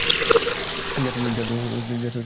যাতে, আপনার মুখ বন্ধ থাকে।